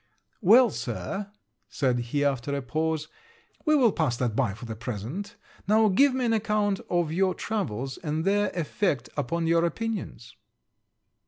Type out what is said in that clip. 'Well, Sir,' said he, after a pause, 'we will pass that by for the present. Now give me an account of your travels, and their effect upon your opinions.'